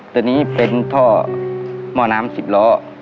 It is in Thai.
ตัวนี้เป็นท่อหม้อน้ำ๑๐ล้อ